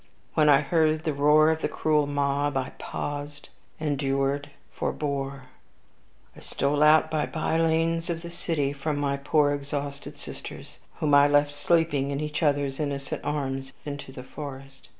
When I heard the roar of the cruel mob, I paused endured forbore. I stole out by by lanes of the city from my poor exhausted sisters, whom I left sleeping in each other's innocent arms, into the forest.